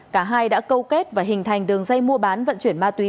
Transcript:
cả hai đã câu kết và hình thành đường dây mua bán vận chuyển ma túy